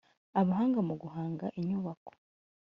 abahanga mu guhanga inyubako